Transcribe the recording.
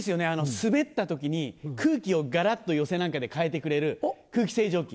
スベった時に空気をガラっと寄席なんかで変えてくれる空気清浄機。